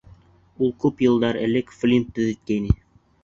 Уны күп йылдар элек Флинт төҙөткәйне.